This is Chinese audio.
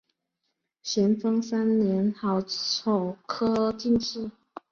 咸丰三年癸丑科进士。